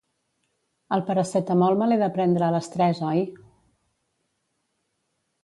El Paracetamol me l'he de prendre a les tres, oi?